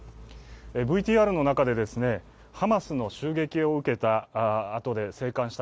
ＶＴＲの中で、ハマスの襲撃を受けたあとで生還した